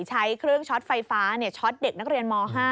ใช้เครื่องช็อตไฟฟ้าช็อตเด็กนักเรียนม๕